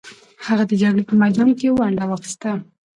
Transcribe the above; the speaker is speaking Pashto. هغې د جګړې په میدان کې ونډه واخیسته.